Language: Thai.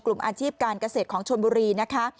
อาชีพการเกษตรของชนบุรีนะคะ